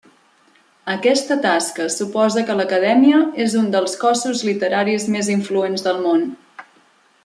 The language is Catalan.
Aquesta tasca suposa que l'acadèmia és un dels cossos literaris més influents del món.